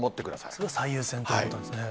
それが最優先ということですね。